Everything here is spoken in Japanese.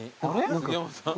杉山さん。